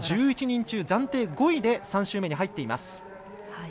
１１人中、暫定５位で３周目に入っています。